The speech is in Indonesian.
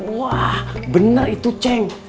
wah bener itu ceng